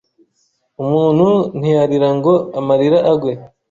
umuntu ntiyarira ngo amarira agwe